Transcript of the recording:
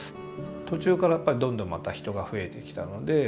途中からやっぱりどんどんまた人が増えてきたので。